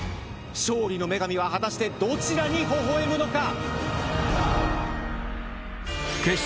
勝利の女神は果たしてどちらにほほ笑むのか？